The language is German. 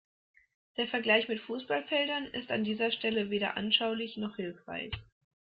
Der Vergleich mit Fußballfeldern ist an dieser Stelle weder anschaulich noch hilfreich.